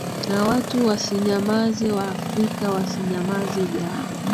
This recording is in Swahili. na watu wasinyamaze waafrika wasinyamaze jambo